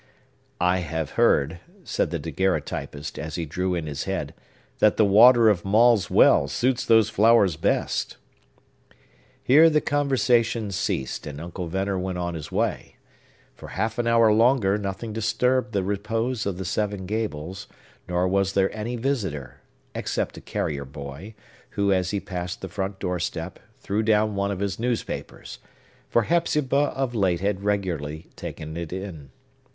"I have heard," said the daguerreotypist, as he drew in his head, "that the water of Maule's well suits those flowers best." Here the conversation ceased, and Uncle Venner went on his way. For half an hour longer, nothing disturbed the repose of the Seven Gables; nor was there any visitor, except a carrier boy, who, as he passed the front doorstep, threw down one of his newspapers; for Hepzibah, of late, had regularly taken it in.